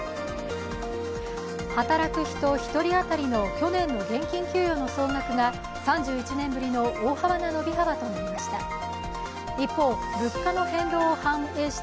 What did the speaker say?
働く人１人当たりの去年の現金給与の総額が３１年ぶりの大幅な伸び幅となりました。